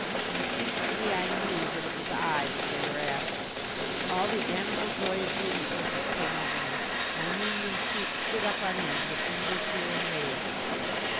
Instinctively I knew that it was I that they were after. All the animal joy of being hunted came over me. My union suit stood up on end with mingled fear and rage.